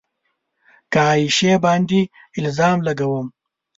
که عایشې باندې الزام لګوم